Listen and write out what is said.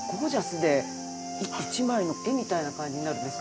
一枚の絵みたいな感じになるんですか？